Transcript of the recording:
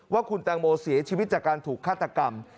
ว่าคุณแตงโมเสียชีวิตจากการถูกฆาตกรรม